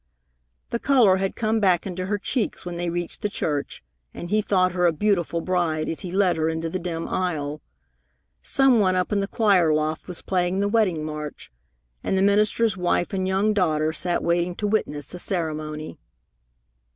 The color had come back into her cheeks when they reached the church, and he thought her a beautiful bride as he led her into the dim aisle. Some one up in the choir loft was playing the wedding march, and the minister's wife and young daughter sat waiting to witness the ceremony.